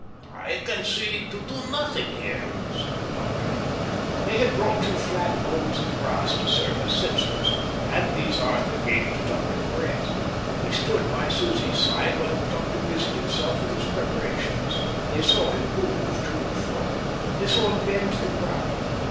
"I can see to do nothing here," said the doctor. They had brought two flat bowls of brass to serve as censers, and these Arthur gave to Dr Porhoët. He stood by Susie's side while the doctor busied himself with his preparations. They saw him move to and fro. They saw him bend to the ground.